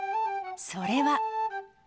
それは。